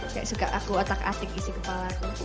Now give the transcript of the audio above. kayak suka aku otak atik isi kepala aku